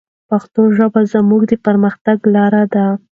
پښتو ژبه زموږ د پرمختګ لاره ده.